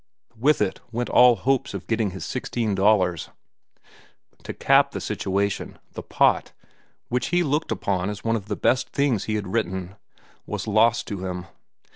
With it went all hopes of getting his sixteen dollars. To cap the situation, "The Pot," which he looked upon as one of the best things he had written, was lost to him.